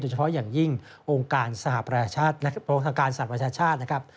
โดยเฉพาะอย่างยิ่งองค์การสหรัฐประชาชาตินะครับ